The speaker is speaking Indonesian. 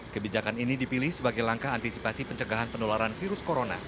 kebijakan ini dipilih sebagai langkah antisipasi pencegahan penularan virus corona